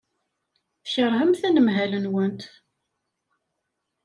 Tkeṛhemt anemhal-nwent.